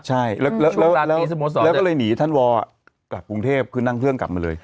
ใช่แล้วก็หนีท่านว่ากระวัตต์กรุงเทพฯคือนั่งเครื่องกลับมาเลย